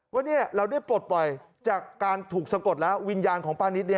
ว่าเราได้ปลดปล่อยจากการถูกสะกดแล้ววิญญาณของป้านิต